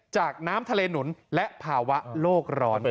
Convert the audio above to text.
น้ำทะเลหนุนและภาวะโลกร้อน